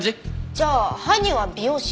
じゃあ犯人は美容師？